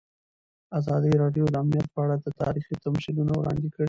ازادي راډیو د امنیت په اړه تاریخي تمثیلونه وړاندې کړي.